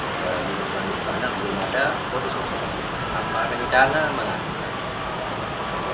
di negara negara selanjutnya belum ada posisi apa rencana mengadu